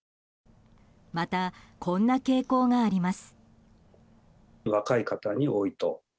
また、こんな傾向があります。